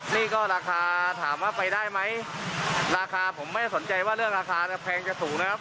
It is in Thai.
นี่ก็ราคาถามว่าไปได้ไหมราคาผมไม่สนใจว่าเรื่องราคาแพงจะสูงนะครับ